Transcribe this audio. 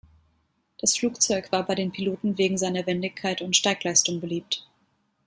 Das Flugzeug war bei den Piloten wegen seiner Wendigkeit und Steigleistung beliebt.